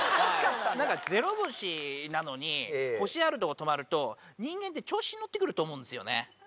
はいなんか「ゼロ星」なのに星あるとこ泊まると人間って調子に乗ってくると思うんですよね。